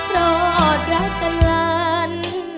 รอดรักกันวัน